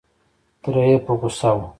تره یې په غوسه و.